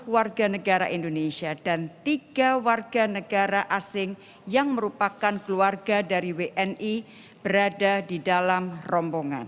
tiga puluh warga negara indonesia dan tiga warga negara asing yang merupakan keluarga dari wni berada di dalam rombongan